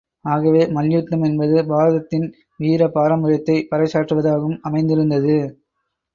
ஆகவே, மல்யுத்தம் என்பது பாரதத்தின் வீர பாரம்பரியத்தைப் பறைசாற்றுவதாகவும் அமைந்திருக்கிறது.